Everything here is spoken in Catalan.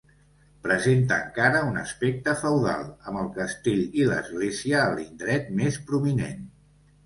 Presenta encara un aspecte feudal, amb el castell i l'església a l'indret més prominent.